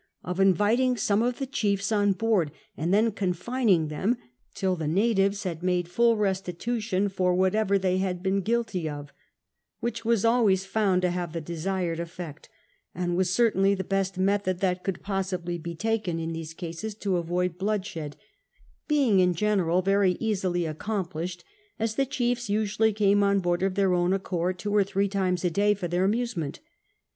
of inviting some of the chiefs on board, and then confining them till the natives had made full restitu tion for whatever they had been guilty of ; which was always found to have the desired effect, and was certainly the best method that could possibly be taken in these cases to avoid bloodshed ; being in general veiy easily accomplished, as the chiefs usually came on board of their own accord two or three times a day for their amusement.